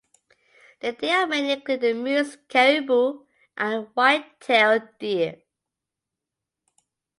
The deer of Maine include the moose, caribou, and the white-tailed deer.